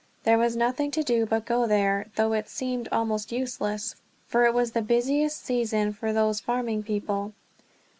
There was nothing to do but to go there, though it seemed almost useless, for it was the busiest season for those farming people.